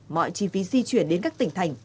mọi chi phí di chuyển đến các tỉnh thành